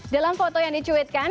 dalam foto yang dicuitkan